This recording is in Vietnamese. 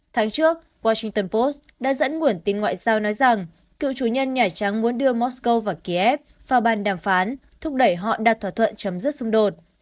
tháng trước washington post đã dẫn nguồn tin ngoại giao nói rằng cựu chủ nhân nhà trắng muốn đưa mosco vào kiev vào bàn đàm phán thúc đẩy họ đặt thỏa thuận chấm dứt xung đột